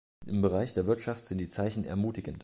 Im Bereich der Wirtschaft sind die Zeichen ermutigend.